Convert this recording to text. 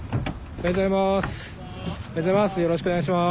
おはようございます。